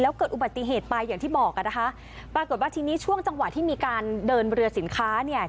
แล้วเกิดอุบัติเหตุไปอย่างที่บอกอ่ะนะคะปรากฏว่าทีนี้ช่วงจังหวะที่มีการเดินเรือสินค้าเนี่ย